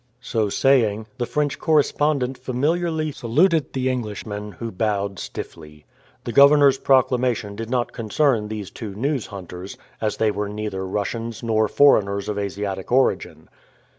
So saying, the French correspondent familiarly saluted the Englishman, who bowed stiffly. The governor's proclamation did not concern these two news hunters, as they were neither Russians nor foreigners of Asiatic origin.